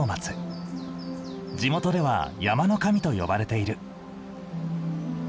地元では山の神と呼ばれている。